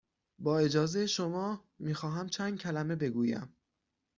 با اجازه شما، می خواهم چند کلمه بگویم.